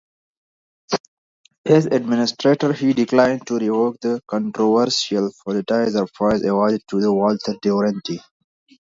As administrator, he declined to revoke the controversial Pulitzer Prize awarded to Walter Duranty.